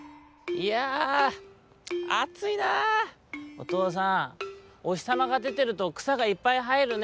「おとうさんおひさまがでてるとくさがいっぱいはえるね」。